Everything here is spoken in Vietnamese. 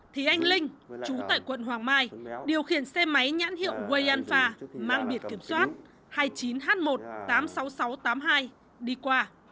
thì anh linh chú tại quận hoàng mai điều khiển xe máy nhãn hiệu wayanfa mang biệt kiểm soát hai mươi chín h một tám mươi sáu nghìn sáu trăm tám mươi hai đi qua